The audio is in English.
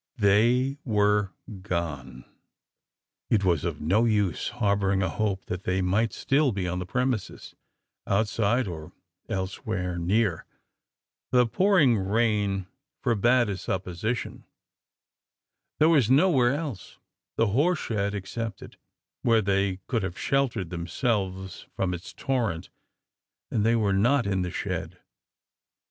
They were gone! It was of no use harbouring a hope that they might still be on the premises outside or elsewhere near. The pouring rain forbade such, a supposition. There was nowhere else the horse shed excepted where they could have sheltered! themselves from its torrent; and they were not in the shed.